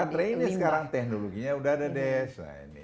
nah baterai ini sekarang teknologinya sudah ada des